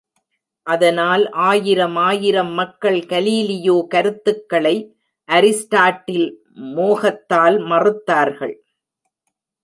அதனால் ஆயிரமாயிரம் மக்கள் கலீலியோ கருத்துக்களை அரிஸ்டாட்டில் மோகத்தால் மறுத்தார்கள்!